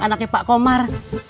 anaknya pak komar